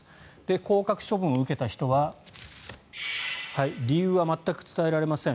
降格処分を受けた人は理由は全く伝えられません。